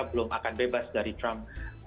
belum akan bebas dari trump